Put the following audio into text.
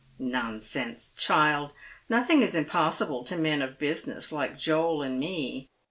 " Nonsense, child ! nothing is impossible to men of business, like Joel and me.